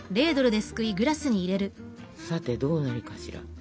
さてどうなるかしら？